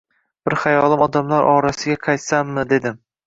Bir xayolim odamlar orasiga qaytsammi, dedim